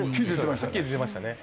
はっきり出ましたね。